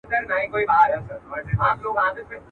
چي وهل یې ولي وخوړل بېځایه.